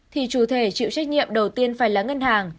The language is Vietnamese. thì chủ thể chịu trách nhiệm đầu tiên phải là ngân hàng